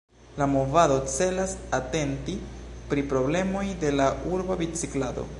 La movado celas atenti pri problemoj de la urba biciklado.